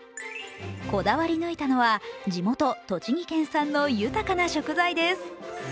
こだわり抜いたのは、地元・栃木県産の豊かな食材です。